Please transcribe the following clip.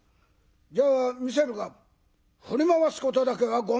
じゃあ見せるが振り回すことだけはごめんだぞ」。